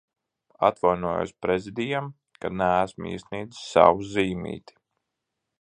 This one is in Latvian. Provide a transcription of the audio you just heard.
Atvainojos Prezidijam, ka neesmu iesniedzis savu zīmīti.